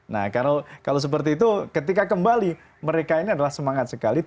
nah kalau seperti itu ketika kembali mereka ini adalah semangat sekali